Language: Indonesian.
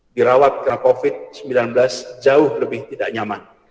dirawat karena covid sembilan belas jauh lebih tidak nyaman